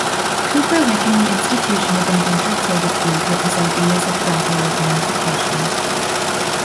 Cooper likened the institution of indentured servitude with his ideas of gradual emancipation.